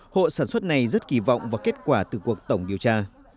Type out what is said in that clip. hộ sản xuất này rất kỳ vọng vào kết quả từ cuộc tổng điều tra